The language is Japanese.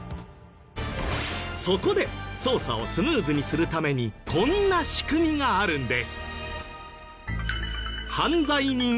そこで捜査をスムーズにするためにこんな仕組みがあるんです。